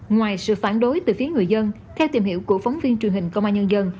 ngoài sự phản đối từ phía người dân theo tìm hiểu của phóng viên truyền hình công an nhân dân